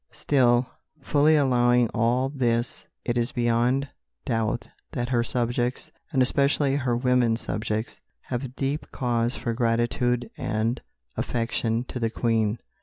Still, fully allowing all this, it is beyond doubt that her subjects, and especially her women subjects, have deep cause for gratitude and affection to the Queen.